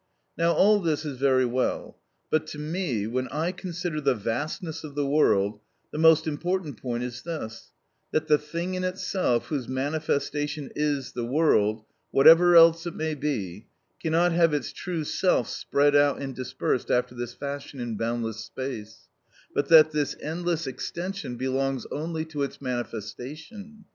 Now, all this is very well, but to me, when I consider the vastness of the world, the most important point is this, that the thing in itself, whose manifestation is the world—whatever else it may be—cannot have its true self spread out and dispersed after this fashion in boundless space, but that this endless extension belongs only to its manifestation.